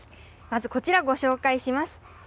まずこちら、ご紹介します。